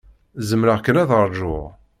Zemreɣ kan ad ṛjuɣ.